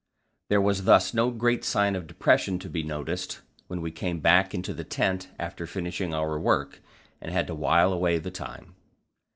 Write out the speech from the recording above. There was thus no great sign of depression to be noticed when we came back into the tent after finishing our work, and had to while away the time.